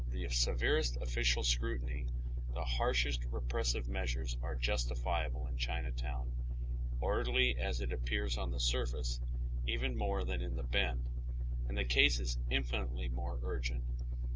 The severest official scru tiny, the harshest repressive measures are justifiable in Cliinatown, orderly as it appears on the surface, even more than in the Bend, and the case is infinitely more urgent.